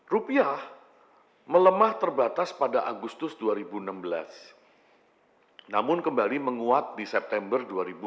rupiah melemah terbatas pada agustus dua ribu enam belas namun kembali menguat di september dua ribu enam belas